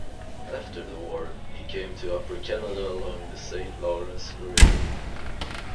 After the war, he came to Upper Canada along the Saint Lawrence River.